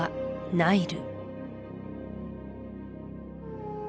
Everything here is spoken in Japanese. ナイル